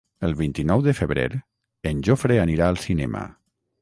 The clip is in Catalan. El vint-i-nou de febrer en Jofre anirà al cinema.